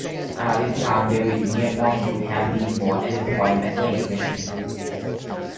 Around this time David Uniapon would have been born at the Point McLeay Mission.